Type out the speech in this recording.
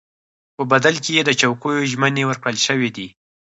په بدل کې یې د چوکیو ژمنې ورکړل شوې دي.